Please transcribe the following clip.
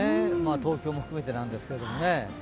東京も含めてですけど。